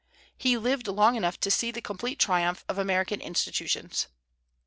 He lived long enough to see the complete triumph of American institutions.